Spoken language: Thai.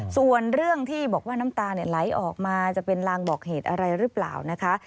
ส่วนเรื่องที่บอกว่าน้ำตาไหลออกมาจะเป็นลางบอกเหตุอะไรหรือเปล่านะคะ